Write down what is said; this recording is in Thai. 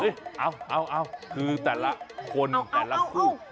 เอาคือแต่ละคนแต่ละคู่